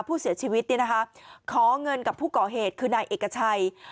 ผู้เสียชีวิตขอเงินกับผู้ก่อเหตุคือนายเอกชัย